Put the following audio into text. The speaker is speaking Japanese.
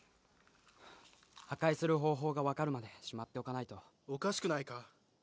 破壊する方法が分かるまでしまっておかないとおかしくないか？